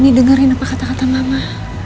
ini dengerin apa kata kata mama